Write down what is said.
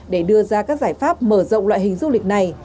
để đưa ra các giải pháp mở rộng loại hình du lịch này